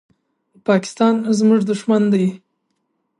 پاکستان زموږ دښمن ده.